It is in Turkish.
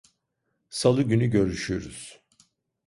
Salı günü görüşürüz.